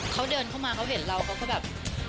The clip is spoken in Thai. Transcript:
เขาเดินเข้ามาเขาเห็นเราเขาก็แบบ